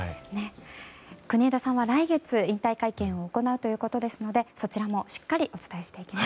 国枝さんは来月引退会見を行うということですのでそちらもしっかりお伝えしていきます。